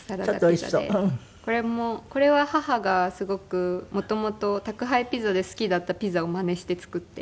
これもこれは母がすごく元々宅配ピザで好きだったピザをマネして作って。